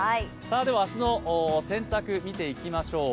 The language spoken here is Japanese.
明日の洗濯、見ていきましょう。